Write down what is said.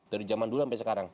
dari zaman dulu sampai sekarang